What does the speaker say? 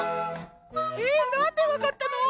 えなんでわかったの？